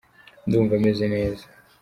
ndumva meze neza.